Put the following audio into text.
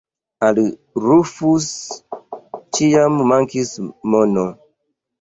Al Rufus ĉiam mankis mono.